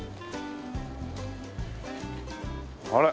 あれ？